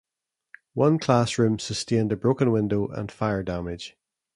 One classroom sustained a broken window and fire damage.